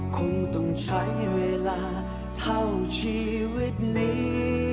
คงต้องใช้เวลาเท่าชีวิตนี้